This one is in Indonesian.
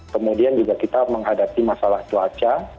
kemudian juga kita menghadapi masalah cuaca